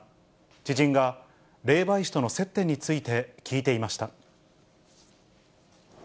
知人が霊媒師との接点について聞いていました。